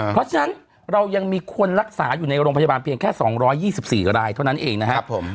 เพราะฉะนั้นเรายังมีคนรักษาอยู่ในโรงพยาบาลเพียงแค่๒๒๔รายเท่านั้นเองนะครับผม